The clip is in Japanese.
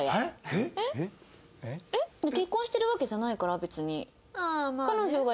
結婚してるわけじゃないから別に。